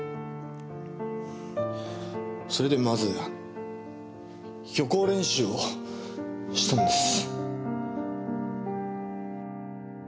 それでまず予行練習をしたんです。